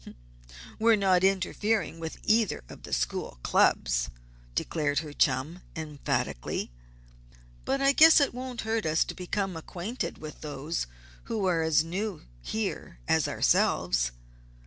"We're not interfering with either of the school clubs," declared her chum, emphatically. "But I guess it won't hurt us to become acquainted with those who are as new here as ourselves.